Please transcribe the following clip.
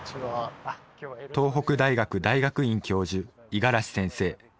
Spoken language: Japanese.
東北大学大学院教授五十嵐先生。